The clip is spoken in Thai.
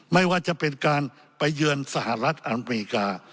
ไม่ว่าจะเป็นการไปเยือนสหรัฐอเมริกา